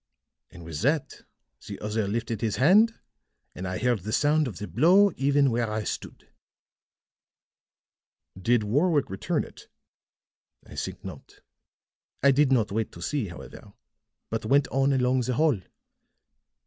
"And with that the other lifted his hand, and I heard the sound of the blow even where I stood." "Did Warwick return it?" "I think not. I did not wait to see, however, but went on along the hall.